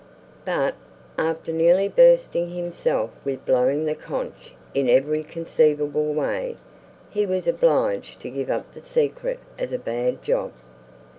But, after nearly bursting himself with blowing the conch in every conceivable way, he was obliged to give up the secret as a bad job.